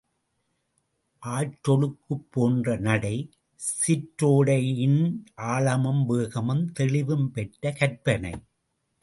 ஆற்றொழுக்குப் போன்ற நடை, சிற்றோடையின் ஆழமும், வேகமும், தெளிவும் பெற்ற கற்பனை.